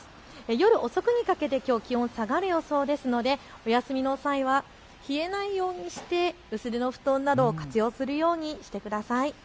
夜遅くにかけて、きょう気温下がる予想ですので、お休みの際は冷えないようにして薄手の布団などを活用するようにしてください。